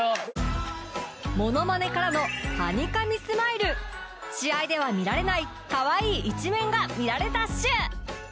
モノマネからの試合では見られないかわいい一面が見られたっシュ！